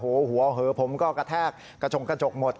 โอ้โฮผมก็กระแทกกระจกหมด